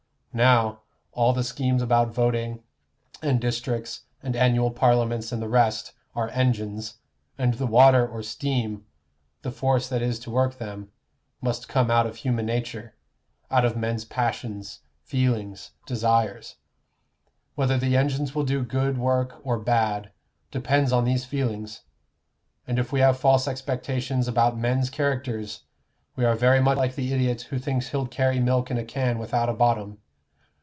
Now, all the schemes about voting, and districts, and annual Parliaments, and the rest, are engines, and the water or steam the force that is to work them must come out of human nature out of men's passions, feelings, desires. Whether the engines will do good work or bad depends on these feelings; and if we have false expectations about men's characters, we are very much like the idiot who thinks he'll carry milk in a can without a bottom.